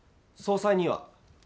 総裁には？